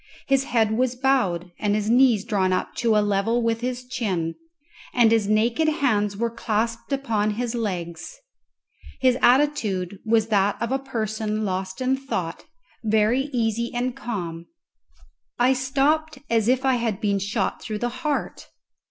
His head was bowed, and his knees drawn up to a level with his chin, and his naked hands were clasped upon his legs. His attitude was that of a person lost in thought, very easy and calm. I stopped as if I had been shot through the heart.